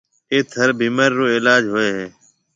ايٿ ھر بيمارِي رو علاج ھوئيَ ھيََََ